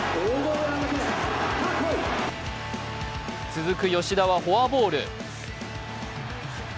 続く吉田はフォアボール。